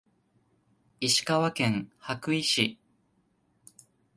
石川県羽咋市